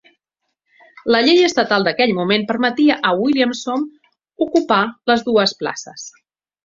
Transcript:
La llei estatal d'aquell moment permetia a Williamson ocupar les dues places.